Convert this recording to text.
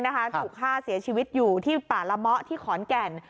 ถูกฆ่าเสียชีวิตอยู่ที่ป่าละเมาะที่ขอนแก่น